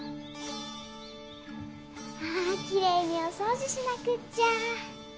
あきれいにお掃除しなくっちゃ。